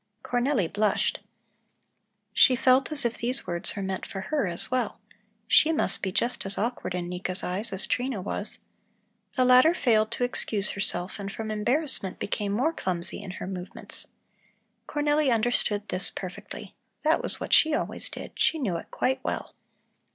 Cornelli blushed. She felt as if these words were meant for her as well. She must be just as awkward in Nika's eyes as Trina was. The latter failed to excuse herself and from embarrassment became more clumsy in her movements. Cornelli understood this perfectly; that was what she always did, she knew it quite well.